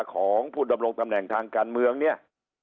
ของผู้ดำรงตำแหน่งทางการเมืองเนี่ย